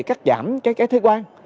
cắt giảm cái thế quan